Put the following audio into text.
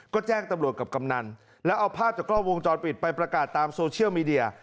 ก็แจ้งตำรวจกับกำนันแล้วเอาภาพจากกล้อวงจรปิดไปประกาศตามโซเชียลมีเดีย